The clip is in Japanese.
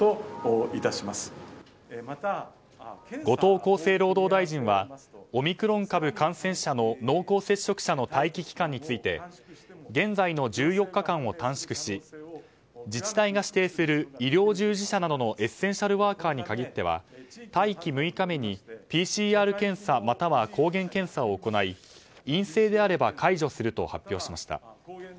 後藤厚生労働大臣はオミクロン株感染者の濃厚接触者の待機期間について現在の１４日間を短縮し自治体が指定する医療従事者などのエッセンシャルワーカーに限っては待機６日目にＰＣＲ検査または抗原検査を行い陰性であれば解除すると発表しました。